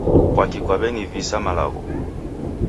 Kwaki kwaw'enivisa malagho?